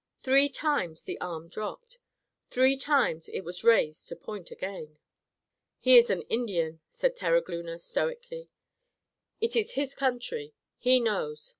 Three times the arm dropped. Three times it was raised to point again. "He is an Indian," said Terogloona, stoically. "It is his country. He knows.